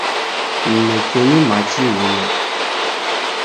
Mnekenyi machi unyo.